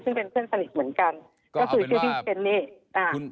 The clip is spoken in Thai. ซึ่งเป็นเพื่อนสนิทเหมือนกันก็คือชื่อพี่เคนนี่อ่า